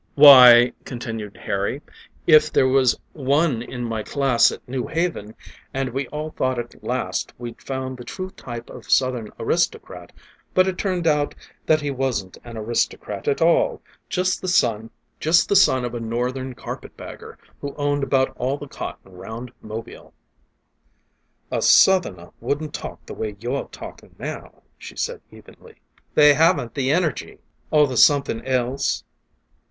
"Why," continued Harry, "if there was one in my class at New Haven, and we all thought that at last we'd found the true type of Southern aristocrat, but it turned out that he wasn't an aristocrat at all just the son of a Northern carpetbagger, who owned about all the cotton round Mobile." "A Southerner wouldn't talk the way you're talking now," she said evenly. "They haven't the energy!" "Or the somethin' else."